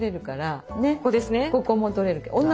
ここも取れるんで。